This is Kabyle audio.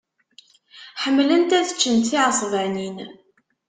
Ḥemmlent ad ččent tiɛesbanin.